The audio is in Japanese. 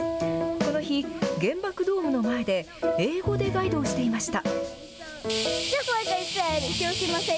この日、原爆ドームの前で英語でガイドをしていました。